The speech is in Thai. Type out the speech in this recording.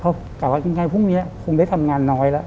เขากลับว่ายังไงพรุ่งนี้คงได้ทำงานน้อยแล้ว